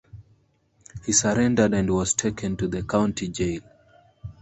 He surrendered and was taken to the county jail.